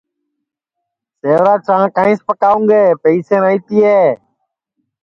سیورا چاں کائیس پاکاوں گے پئیسے نائی تیے